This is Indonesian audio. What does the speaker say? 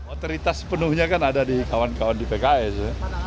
otoritas sepenuhnya kan ada di kawan kawan di pks